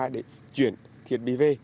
để chuyển thiệt bị về